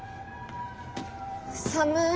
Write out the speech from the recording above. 寒い。